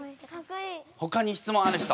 ほかに質問ある人？